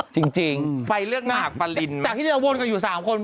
จริงไปเรื่องหนักปลารินจากที่เราโวนกันอยู่๓คน